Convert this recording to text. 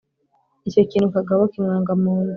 icyo kintu kagabo kimwanga mu nda